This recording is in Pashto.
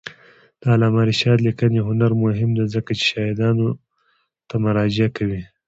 د علامه رشاد لیکنی هنر مهم دی ځکه چې شاهدانو ته مراجعه کوي.